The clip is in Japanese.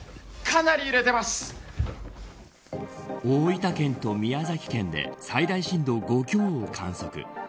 大分県と宮崎県で最大震度５強を観測。